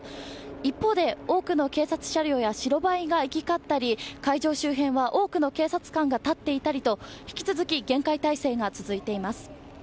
一方で多くの警察車両や白バイが行き交ったり、会場周辺は多くの警察官が立っていたりと引き続き、厳戒態勢が続いています。